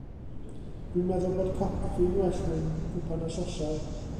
Dw i'n meddwl bod coffi'n well mewn cwpan a sosar.